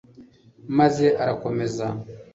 maze arabakomeza